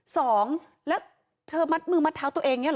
สองแล้วเธอมัดมือมัดเท้าตัวเองเนี่ยเหรอ